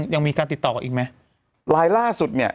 ยังมีการติดต่อกันอีกไหม